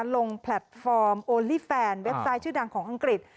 แพลตฟอร์มโอลี่แฟนเว็บไซต์ชื่อดังของอังกฤษ